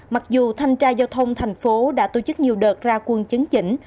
mặc dù thành tra giao thông tp hcm đã tổ chức nhiều đợt ra quân chứng chỉnh